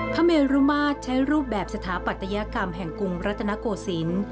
เมรุมาตรใช้รูปแบบสถาปัตยกรรมแห่งกรุงรัตนโกศิลป์